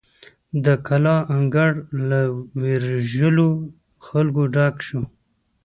د کلا انګړ له ویرژلو خلکو ډک شو.